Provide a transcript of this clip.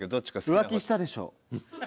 浮気したでしょ？